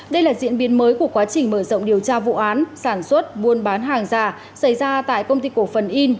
đây là diễn biến mới của quá trình mở rộng điều tra vụ án sản xuất buôn bán hàng giả xảy ra tại công ty cổ phần in